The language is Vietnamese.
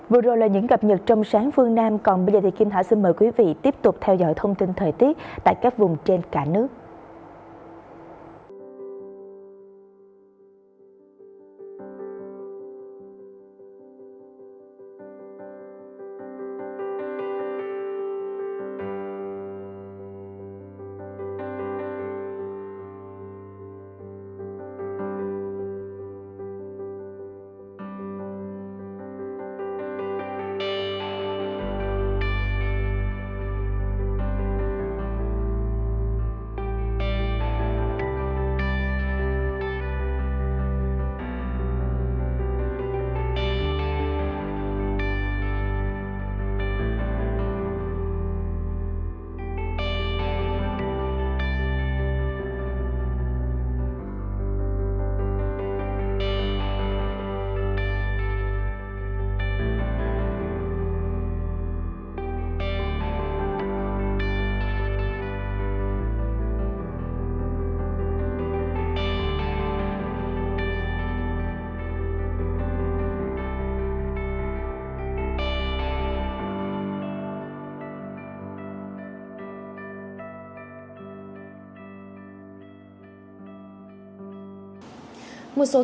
vừa rồi là những gặp nhật trong sáng phương nam